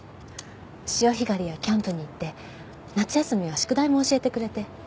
潮干狩りやキャンプに行って夏休みは宿題も教えてくれて。